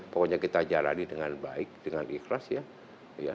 pokoknya kita jalani dengan baik dengan ikhlas ya